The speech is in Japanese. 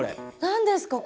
何ですか？